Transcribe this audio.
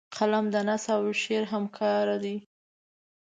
قلم د نثر او شعر همکار دی